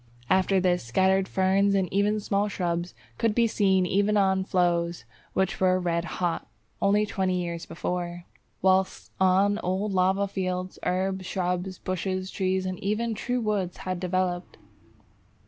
After this, scattered ferns and even small shrubs could be seen even on flows which were red hot only twenty years before, whilst on old lava fields herbs, shrubs, bushes, trees, and even true woods had developed.